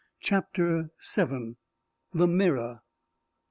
CHAPTER VII. THE MIRROR.